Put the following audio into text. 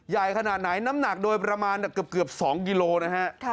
ใหญ่ขนาดไหนน้ำหนักโดยประมาณเกือบ๒กิโลนะฮะ